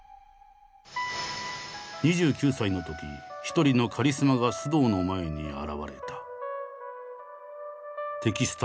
２９歳のとき一人のカリスマが須藤の前に現れた。